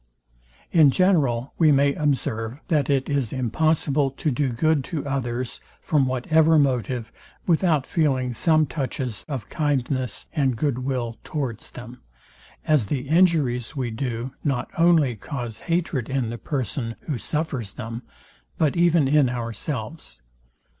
In general we may observe, that it is impossible to do good to others, from whatever motive, without feeling some touches of kindness and good will towards them; as the injuries we do, not only cause hatred in the person, who suffers them, but even in ourselves.